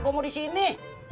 gua mau disini